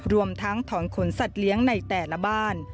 รวมทั้งถอนขนสัตว์เลี้ยงในแต่ละบ้าน